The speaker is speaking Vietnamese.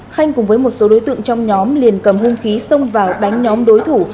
khanh cùng với một số đối tượng trong nhóm liền cầm hung khí xông vào đánh nhóm đối thủ